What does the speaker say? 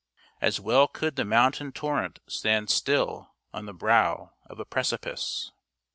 As well could the mountain torrent stand still on the brow of a precipice.